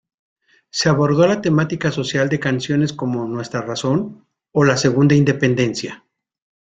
Se aborda la temática social en canciones como "Nuestra razón" o "La segunda Independencia".